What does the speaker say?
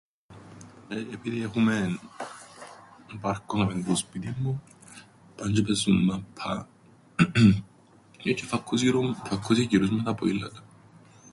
Επειδή έχουμεν... πάρκον δαμαί που 'ν το σπίτιν μου, παν τζ̆αι παίζουν μάππαν, ε, τζ̆αι φακκούσιν γυ- φακκούσιν γυρούς με τα ποήλατα.